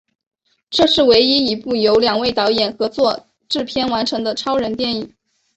这是唯一一部由两位导演合作制片完成的超人电影。